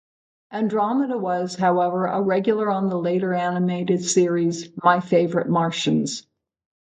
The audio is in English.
Andromeda was, however, a regular on the later animated series "My Favorite Martians".